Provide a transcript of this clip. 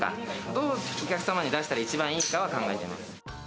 どうお客様に出したら一番いいかを考えています。